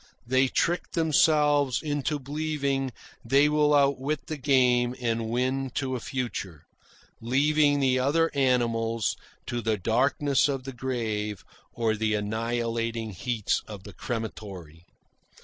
They trick themselves into believing they will outwit the game and win to a future, leaving the other animals to the darkness of the grave or the annihilating heats of the crematory.